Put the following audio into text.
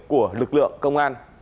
của lực lượng công an